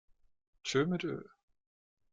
Tschö mit Ö!